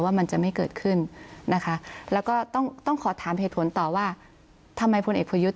มันจะไม่เกิดขึ้นนะคะแล้วก็ต้องขอถามเหตุผลต่อว่าทำไมพลเอกประยุทธ์